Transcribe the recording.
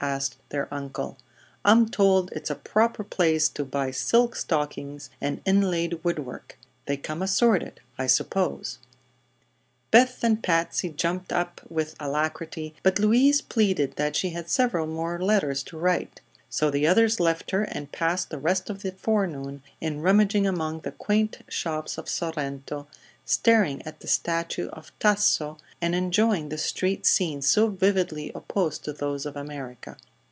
asked their uncle. "I'm told it's a proper place to buy silk stockings and inlaid wood work. They come assorted, I suppose." Beth and Patsy jumped up with alacrity, but Louise pleaded that she had several more letters to write; so the others left her and passed the rest of the forenoon in rummaging among the quaint shops of Sorrento, staring at the statue of Tasso, and enjoying the street scenes so vividly opposed to those of America.